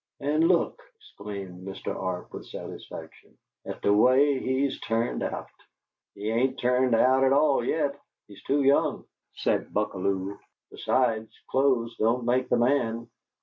"And look," exclaimed Mr. Arp, with satisfaction, "at the way he's turned out!" "He ain't turned out at all yet; he's too young," said Buckalew. "Besides, clothes don't make the man."